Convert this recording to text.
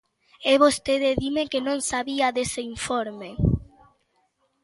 E vostede dime que non sabía dese informe.